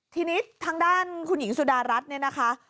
ทีนี้ทางด้านคุณหญิงสุดารัฐเนี่ยนะคะ